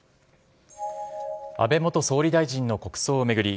安倍元総理大臣の国葬を巡り